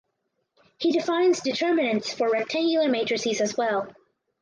He defined determinants for rectangular matrices as well.